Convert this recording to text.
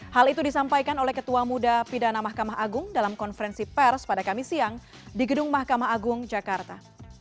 hal itu disampaikan oleh ketua muda pidana mahkamah agung dalam konferensi pers pada kamis siang di gedung mahkamah agung jakarta